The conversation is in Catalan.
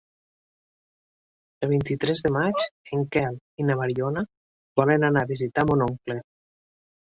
El vint-i-tres de maig en Quel i na Mariona volen anar a visitar mon oncle.